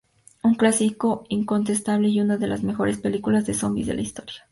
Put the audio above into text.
Un clásico incontestable y una de las mejores películas de zombis de la historia.